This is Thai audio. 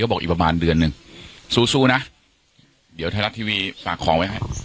บอกอีกประมาณเดือนหนึ่งสู้สู้นะเดี๋ยวไทยรัฐทีวีฝากของไว้ให้